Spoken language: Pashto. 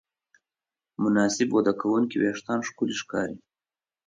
مناسب وده کوونکي وېښتيان ښکلي ښکاري.